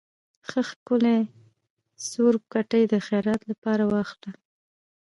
ښه ښکلے څورب کټے د خيرات لپاره واخله۔